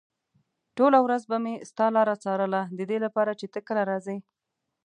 ټوله ورځ به مې ستا لاره څارله ددې لپاره چې ته کله راځې.